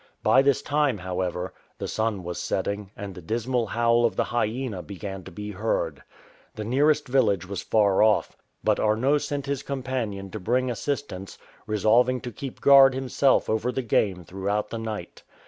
By this time, however, the sun was setting, and the dismal howl of the hyena began to be heard. The nearest village was far off, but Arnot sent his companion to bring assistance, resolving to keep guard himself over the game throughout the night.